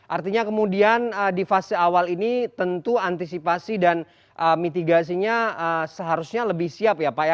artinya kemudian di fase awal ini tentu antisipasi dan mitigasinya seharusnya lebih siap ya pak ya